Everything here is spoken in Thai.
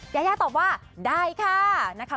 ยายาตอบว่าได้ค่ะนะคะ